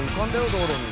道路に。